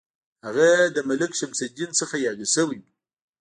هغه د ملک شمس الدین څخه یاغي شوی وو.